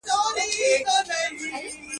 بیا د صمد خان او پاچاخان حماسه ولیکه.